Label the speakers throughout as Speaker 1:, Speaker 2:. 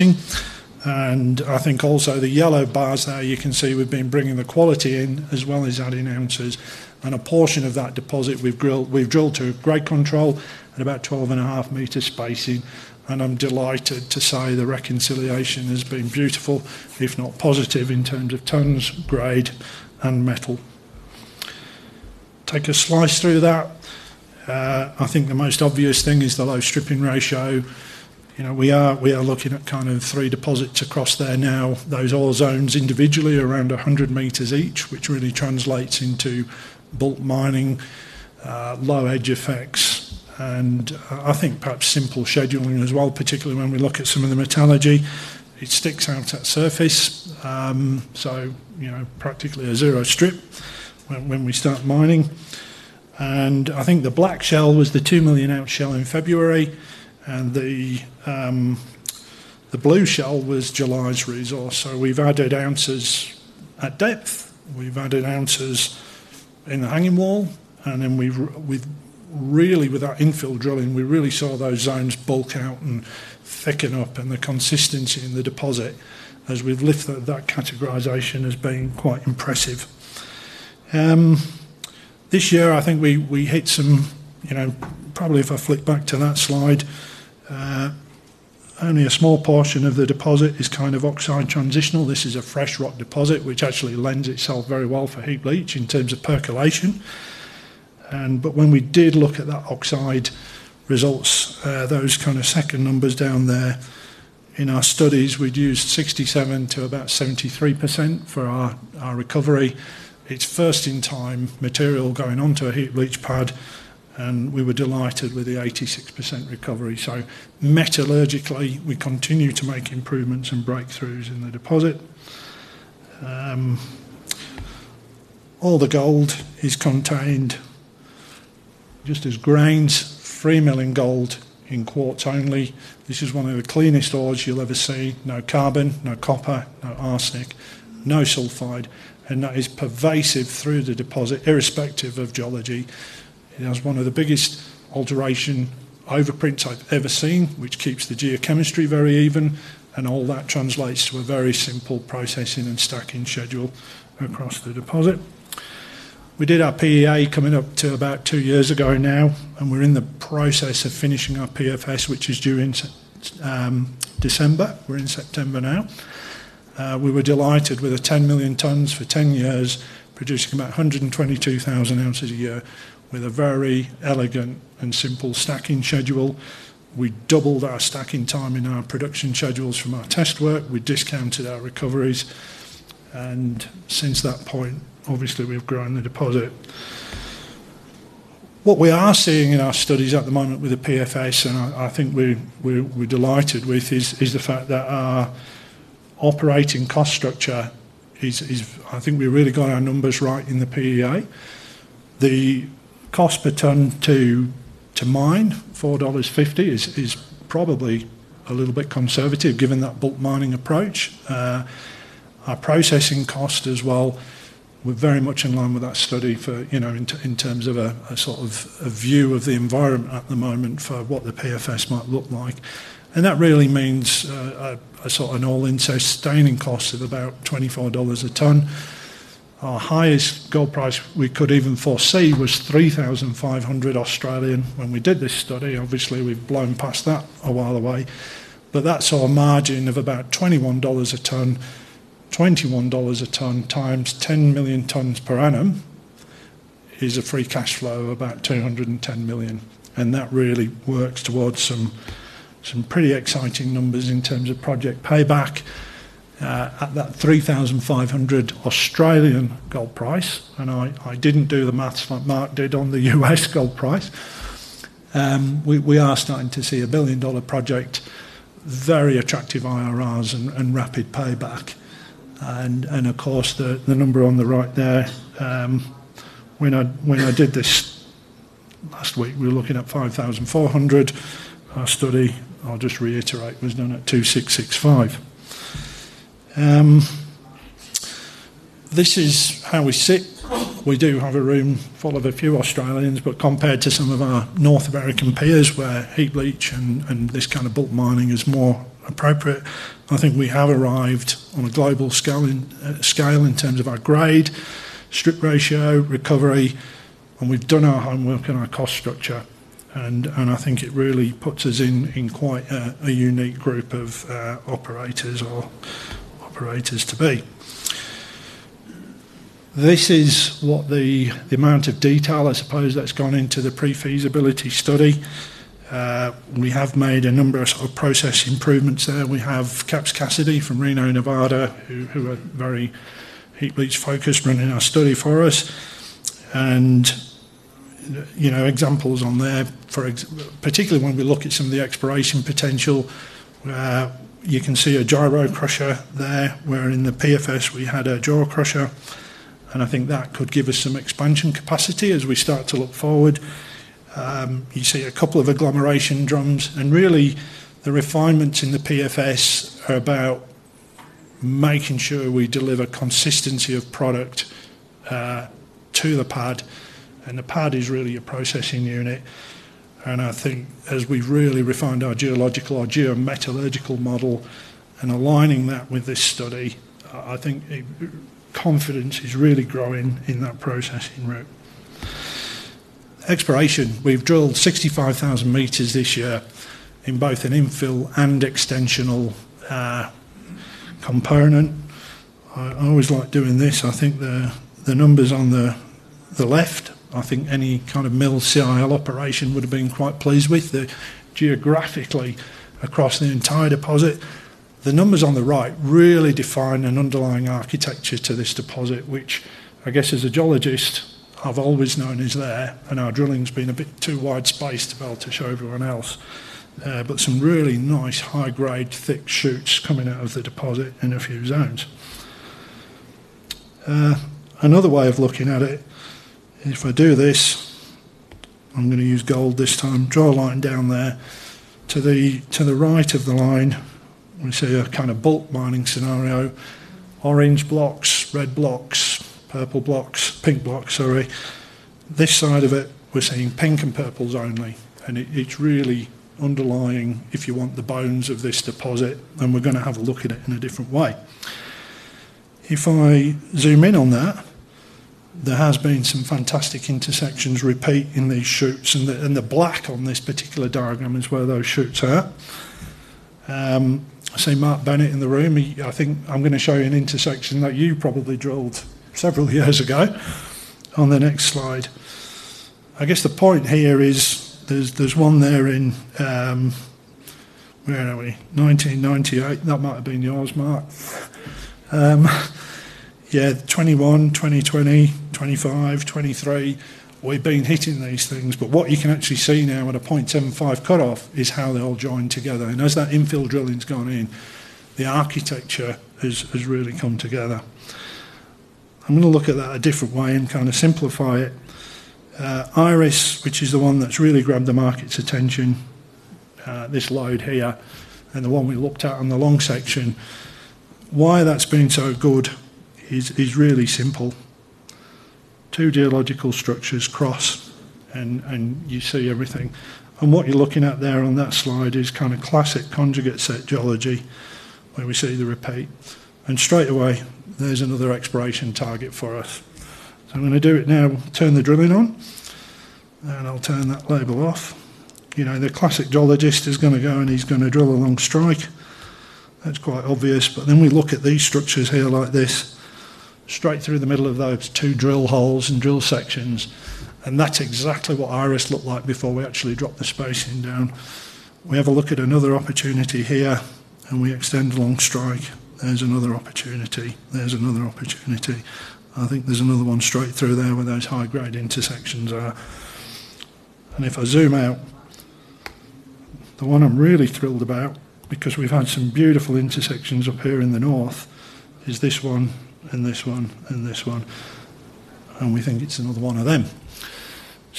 Speaker 1: I think also the yellow bars there, you can see we've been bringing the quality in as well as adding ounces. A portion of that deposit we've drilled to a grade control at about 12.5 meters spacing. I'm delighted to say the reconciliation has been beautiful, if not positive, in terms of tonnes, grade, and metal. Take a slice through that. I think the most obvious thing is the low stripping ratio. We are looking at kind of three deposits across there now. Those all zones individually around 100 meters each, which really translates into bulk mining, low edge effects. I think perhaps simple scheduling as well, particularly when we look at some of the metallurgy. It sticks out at surface, practically a zero strip when we start mining. I think the black shell was the 2 million ounce shell in February, and the blue shell was July's resource. We've added ounces at depth. We've added ounces in the hanging wall. With that infill drilling, we really saw those zones bulk out and thicken up. The consistency in the deposit as we've lifted that categorization has been quite impressive. This year, I think we hit some, probably if I flick back to that slide, only a small portion of the deposit is kind of oxide transitional. This is a fresh rock deposit, which actually lends itself very well for heap leach in terms of percolation. When we did look at that oxide results, those kind of second numbers down there in our studies, we'd used 67% to about 73% for our recovery. It's first in time material going onto a heap leach pad. We were delighted with the 86% recovery. Metallurgically, we continue to make improvements and breakthroughs in the deposit. All the gold is contained just as grains, 3 million gold in quartz only. This is one of the cleanest ores you'll ever see. No carbon, no copper, no arsenic, no sulfide. That is pervasive through the deposit, irrespective of geology. That's one of the biggest alteration overprints I've ever seen, which keeps the geochemistry very even. All that translates to a very simple processing and stacking schedule across the deposit. We did our PEA coming up to about two years ago now, and we're in the process of finishing our PFS, which is due in December. We're in September now. We were delighted with the 10 million tons for 10 years, producing about 122,000 ounces a year with a very elegant and simple stacking schedule. We doubled our stacking time in our production schedules from our test work. We discounted our recoveries. Since that point, obviously, we've grown the deposit. What we are seeing in our studies at the moment with the PFS, and I think we're delighted with, is the fact that our operating cost structure is, I think we really got our numbers right in the PEA. The cost per ton to mine, $4.50, is probably a little bit conservative given that bulk mining approach. Our processing cost as well, we're very much in line with that study for, you know, in terms of a sort of view of the environment at the moment for what the PFS might look like. That really means a sort of an all-in sustaining cost of about $24 a ton. Our highest gold price we could even foresee was $3,500 Australian when we did this study. Obviously, we've blown past that a while away. That's our margin of about $21 a ton. $21 a ton times 10 million tons per annum is a free cash flow of about $210 million. That really works towards some pretty exciting numbers in terms of project payback at that $3,500 Australian gold price. I didn't do the maths like Mark Bennett did on the U.S. gold price. We are starting to see a billion-dollar project, very attractive IRRs and rapid payback. Of course, the number on the right there, when I did this last week, we were looking at $5,400. Our study, I'll just reiterate, was done at $2,665. This is how we sit. We do have a room full of a few Australians, but compared to some of our North American peers where heap leach and this kind of bulk mining is more appropriate, I think we have arrived on a global scale in terms of our grade, stripping ratio, recovery, and we've done our homework and our cost structure. I think it really puts us in quite a unique group of operators or operators to be. This is what the amount of detail, I suppose, that's gone into the pre-feasibility study. We have made a number of process improvements there. We have Caps Cassidy from Reno, Nevada, who are very heap leach focused running our study for us. You know, examples on there, particularly when we look at some of the exploration potential, you can see a gyratory crusher there, where in the PFS we had a jaw crusher. I think that could give us some expansion capacity as we start to look forward. You see a couple of agglomeration drums. The refinements in the PFS are about making sure we deliver consistency of product to the pad. The pad is really a processing unit. I think as we've really refined our geological or geometallurgical model and aligned that with this study, confidence is really growing in that processing route. Exploration-wise, we've drilled 65,000 meters this year in both an infill and extensional component. I always like doing this. The numbers on the left, I think any kind of mill CIL operation would have been quite pleased with. Geographically, across the entire deposit, the numbers on the right really define an underlying architecture to this deposit, which I guess as a geologist, I've always known is there. Our drilling's been a bit too wide spaced to be able to show everyone else, but some really nice high-grade, thick shoots are coming out of the deposit in a few zones. Another way of looking at it, if I do this, I'm going to use gold this time, draw a line down there. To the right of the line, we see a kind of bulk mining scenario. Orange blocks, red blocks, purple blocks, pink blocks, sorry. This side of it, we're seeing pink and purples only. It's really underlying, if you want, the bones of this deposit. We're going to have a look at it in a different way. If I zoom in on that, there have been some fantastic intersections repeat in these shoots. The black on this particular diagram is where those shoots are. I see Mark Bennett in the room. I think I'm going to show you an intersection that you probably drilled several years ago on the next slide. I guess the point here is there's one there in, where are we, 1998, that might have been yours, Mark. Yeah, 21, 2020, 25, 23, we've been hitting these things. What you can actually see now at a 0.75 cutoff is how they all join together. As that infill drilling's gone in, the architecture has really come together. I'm going to look at that a different way and kind of simplify it. Iris, which is the one that's really grabbed the market's attention, this lode here, and the one we looked at on the long section. Why that's been so good is really simple. Two geological structures cross, and you see everything. What you're looking at there on that slide is kind of classic conjugate set geology, where we see the repeat. Straight away, there's another exploration target for us. I'm going to do it now, turn the drilling on, and I'll turn that label off. You know, the classic geologist is going to go and he's going to drill along strike. That's quite obvious. We look at these structures here like this, straight through the middle of those two drill holes and drill sections. That's exactly what Iris looked like before we actually dropped the spacing down. We have a look at another opportunity here, and we extend long strike. There's another opportunity. There's another opportunity. I think there's another one straight through there where those high-grade intersections are. If I zoom out, the one I'm really thrilled about, because we've had some beautiful intersections up here in the north, is this one, and this one, and this one. We think it's another one of them.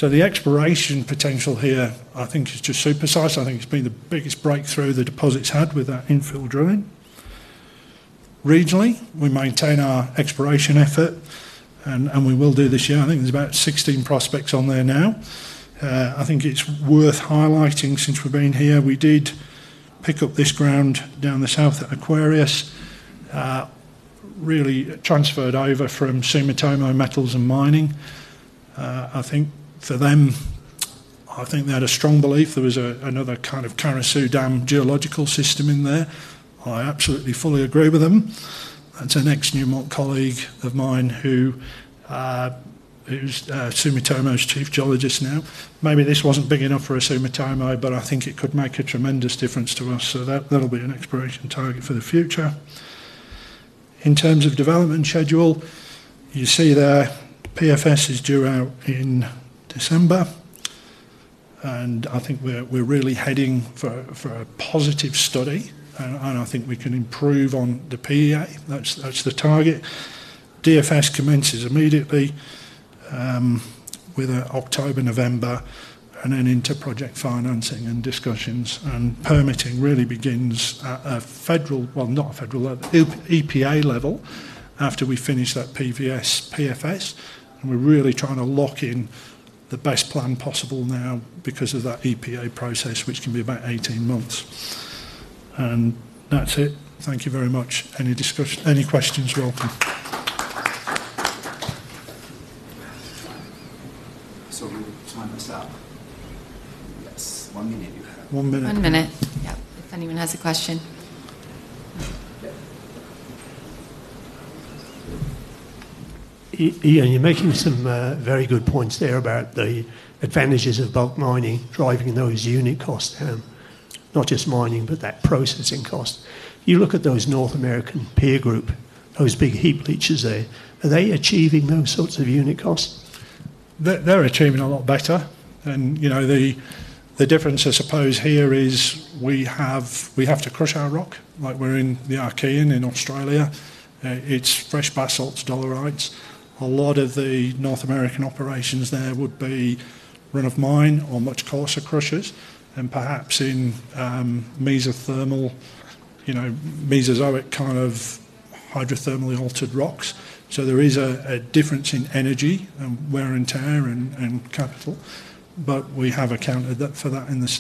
Speaker 1: The exploration potential here, I think, is just super size. I think it's been the biggest breakthrough the deposit's had with that infill drilling. Regionally, we maintain our exploration effort, and we will do this year. I think there's about 16 prospects on there now. I think it's worth highlighting since we've been here. We did pick up this ground down the south at Aquarius, really transferred over from Sumitomo Metal Mining. I think for them, I think they had a strong belief there was another kind of Karasu Dam geological system in there. I absolutely fully agree with them. That's an ex-Newmont colleague of mine who's Sumitomo's Chief Geologist now. Maybe this wasn't big enough for a Sumitomo, but I think it could make a tremendous difference to us. That'll be an exploration target for the future. In terms of development schedule, you see there, PFS is due out in December. I think we're really heading for a positive study. I think we can improve on the PEA. That's the target. DFS commences immediately with October-November. Then into project financing and discussions. Permitting really begins at a federal, well, not a federal, but EPA level after we finish that PFS, and we're really trying to lock in the best plan possible now because of that EPA process, which can be about 18 months. That's it. Thank you very much. Any questions, you're welcome.
Speaker 2: We'll time this up. One minute.
Speaker 1: One minute.
Speaker 2: One minute. Yep, if anyone has a question.
Speaker 1: Yeah, you're making some very good points there about the advantages of bulk mining, driving those unit costs down. Not just mining, but that processing cost. You look at those North American peer group, those big heap leaches there. Are they achieving those sorts of unit costs? They're achieving a lot better. The difference, I suppose, here is we have to crush our rock. Like we're in the Archean in Australia. It's fresh basalt, dolerites. A lot of the North American operations there would be run of mine or much coarser crushers, and perhaps in mesothermal, Mesozoic kind of hydrothermally altered rocks. There is a difference in energy and wear and tear and capital. We have accounted for that in this.